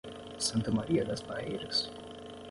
Santa Maria das Barreiras